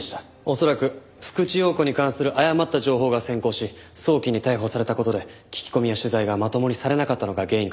恐らく福地陽子に関する誤った情報が先行し早期に逮捕された事で聞き込みや取材がまともにされなかったのが原因かと。